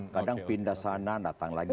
kadang pindah sana datang lagi